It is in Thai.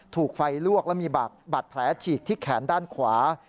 ถูกไฟลวกและมีบาดแผลฉีกที่แขนด้านขวา